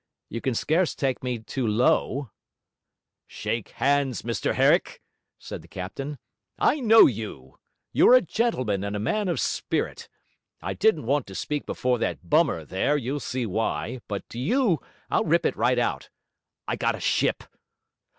'You can scarce take me too low.' 'Shake hands, Mr Herrick,' said the captain. 'I know you. You're a gentleman and a man of spirit. I didn't want to speak before that bummer there; you'll see why. But to you I'll rip it right out. I got a ship.'